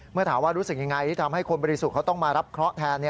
เมื่อถามว่ารู้สึกยังไงที่ทำให้คนบริสุทธิ์เขาต้องมารับเคราะห์แทน